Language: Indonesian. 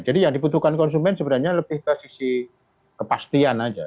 jadi yang dibutuhkan konsumen sebenarnya lebih ke sisi kepastian saja